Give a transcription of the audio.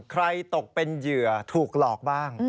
ตกเป็นเหยื่อถูกหลอกบ้าง